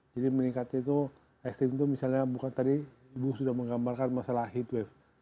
jadi meningkatnya itu ekstrim itu misalnya bukan tadi ibu sudah menggambarkan masalah heat wave